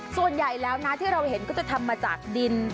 ส่วนใหญ่แล้วนะที่เราเห็นก็จะทำมาจากดิน